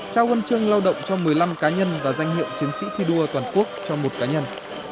trao huân chương lao động cho một mươi năm cá nhân và danh hiệu chiến sĩ thi đua toàn quốc cho một cá nhân